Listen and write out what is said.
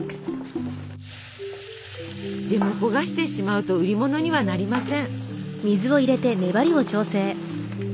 でも焦がしてしまうと売り物にはなりません。